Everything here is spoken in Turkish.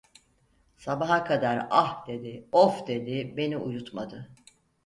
Sabaha kadar ah dedi, of dedi, beni uyutmadı.